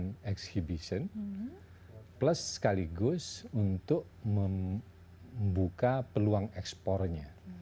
untuk melakukan exhibition plus sekaligus untuk membuka peluang ekspornya